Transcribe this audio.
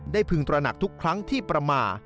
พึงตระหนักทุกครั้งที่ประมาท